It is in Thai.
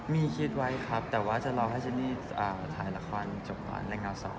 แล้วเรื่องลูกอ่ะครับมีคิดต้องกระทานนะครับ